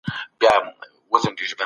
سياست د ټولنيزو کشمکشونو مشرتوب وکړ.